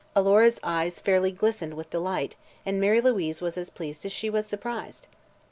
Alora's eyes fairly glistened with delight and Mary Louise was as pleased as she was surprised.